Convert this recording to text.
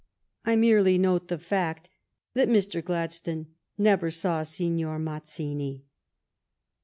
I merely note the fact that Mr. Gladstone "never saw Signor Mazzini."